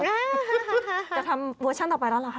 จะทำเวอร์ชั่นต่อไปแล้วเหรอคะ